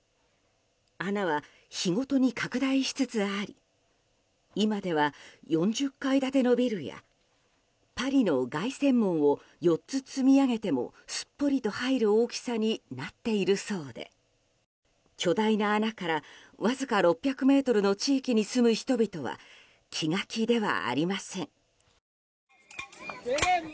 穴は日ごとに拡大しつつあり今では、４０階建てのビルやパリの凱旋門を４つ積み上げてもすっぽりと入る大きさになっているそうで巨大な穴からわずか６００ｍの地域に住む人々は気が気ではありません。